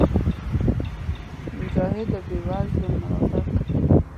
مجاهد د بېوزلو ملاتړ کوي.